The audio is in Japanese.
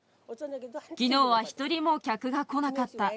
きのうは一人も客が来なかった。